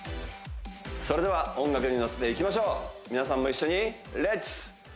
それでは音楽に乗せていきましょう皆さんも一緒にレッツ！